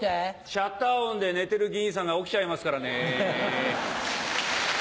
シャッター音で寝てる議員さんが起きちゃいますからね。